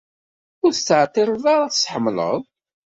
Ur tettɛeṭṭileḍ ara ad t-tḥemmleḍ.